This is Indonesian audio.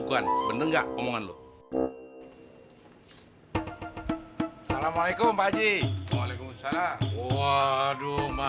kamu gak apa apa kan rum